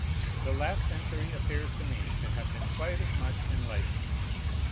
The last century appears to me to have been quite as much enlightened.